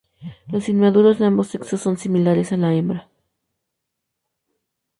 Los inmaduros de ambos sexos son similares a la hembra.